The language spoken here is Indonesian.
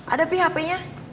ada pi hpnya